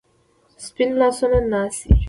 سپین لاسونه ناڅي